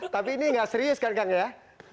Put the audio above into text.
tapi ini nggak serius kan kang ya